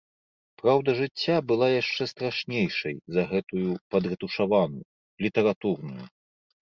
Праўда жыцця была яшчэ страшнейшай за гэтую падрэтушаваную, літаратурную.